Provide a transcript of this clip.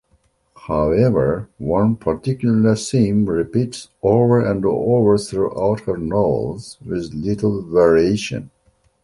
However, one particular theme repeats over and over throughout her novels, with little variation.